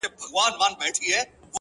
دا چا په څو ځلې د عشق په اور مينځلي شراب